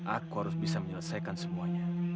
aku harus bisa menyelesaikan semuanya